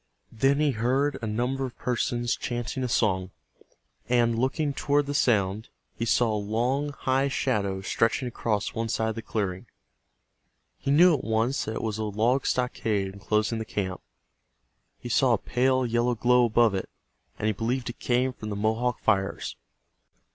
Then he heard a number of persons chanting a song, and looking toward the sound he saw a long high, shadow stretching across one side of the clearing. He knew at once that it was a log stockade enclosing the camp. He saw a pale yellow glow above it, and he believed it came from the Mohawk fires.